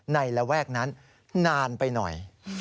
ระแวกนั้นนานไปหน่อย